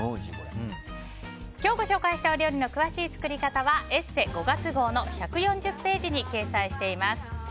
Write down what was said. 今日ご紹介した料理の詳しい作り方は「ＥＳＳＥ」５月号の１４０ページに掲載しています。